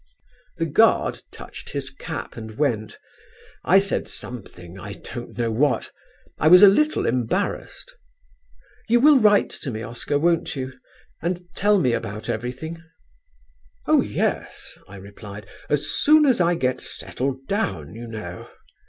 "The guard touched his cap and went. I said something, I don't know what; I was a little embarrassed. "'You will write to me, Oscar, won't you, and tell me about everything?' "'Oh, yes,' I replied, 'as soon as I get settled down, you know.